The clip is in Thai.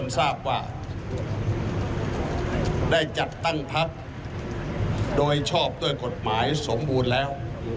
ทางภักดิ์โดยชอบด้วยกฎหมายสมบูรณ์แล้ว